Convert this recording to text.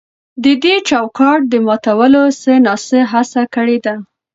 د دې چوکاټ د ماتولو څه نا څه هڅه کړې ده.